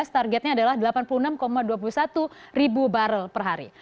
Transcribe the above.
targetnya adalah delapan puluh enam dua puluh satu ribu barrel per hari